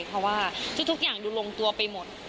เพราะว่าทุกอย่างดูลงตัวไปหมด